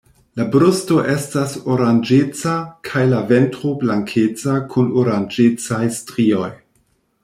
La brusto estas oranĝeca, kaj la ventro blankeca kun oranĝecaj strioj.